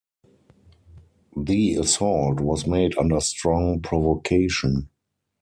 The assault was made under strong provocation.